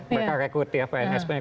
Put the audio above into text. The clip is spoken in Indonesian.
mereka rekrut ya pns